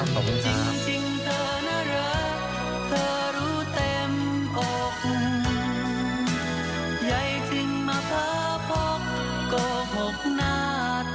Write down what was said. จริงเธอนะเหรอเธอรู้เต็มอก